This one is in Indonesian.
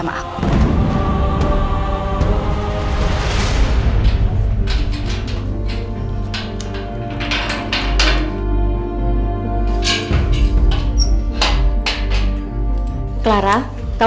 meskipun dia paham